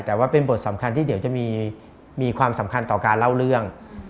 แต่ว่าเป็นบทสำคัญที่เดี๋ยวจะมีความสำคัญต่อการเล่าเรื่อง